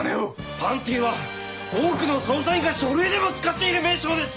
「パンティ」は多くの捜査員が書類でも使っている名称です！